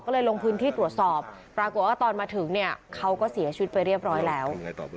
ก็เลยลงพื้นที่ตรวจสอบปรากฏว่าตอนมาถึงเนี่ยเขาก็เสียชีวิตไปเรียบร้อยแล้ว